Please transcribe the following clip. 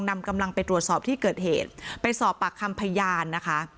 นำกำลังไปตรวจสอบที่เกิดเหตุไปสอบปากคำพยานนะคะ